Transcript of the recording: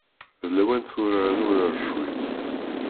D lawan tura ad nurar cwiṭ.